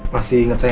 masih inget saya gak